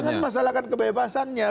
jangan masalahkan kebebasannya